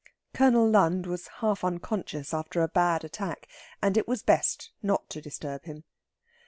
Colonel Lund was half unconscious after a bad attack, and it was best not to disturb him.